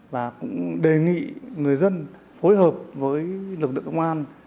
và cũng đề nghị người dân phối hợp với lực lượng công an